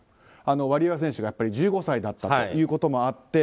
ワリエワ選手が１５歳だったということもあり